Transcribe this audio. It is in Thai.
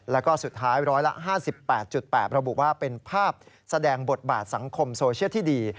แล้วก็สุดท้ายร้อยละ๕๘๘ระบุว่าเป็นภาพแสดงบทบาทสังคมโซเชียลที่ดี